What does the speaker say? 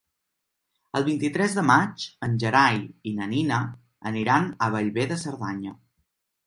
El vint-i-tres de maig en Gerai i na Nina aniran a Bellver de Cerdanya.